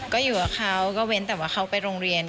ก็อยู่กับเขาก็เว้นแต่ว่าเขาไปโรงเรียน